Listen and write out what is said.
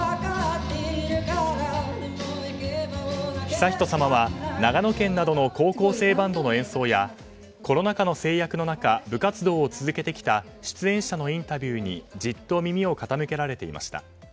悠仁さまは、長野県などの高校生バンドの演奏やコロナ禍の制約の中部活動を続けてきた出演者のインタビューにじっと耳を傾けられていました。